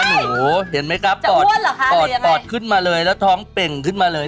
หนูเห็นไหมครับปอดขึ้นมาเลยแล้วท้องเป่งขึ้นมาเลย